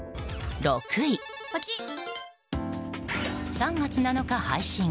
６位、３月７日配信。